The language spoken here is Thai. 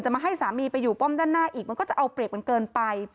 มาให้สามีไปอยู่ป้อมด้านหน้าอีกมันก็จะเอาเปรียบกันเกินไป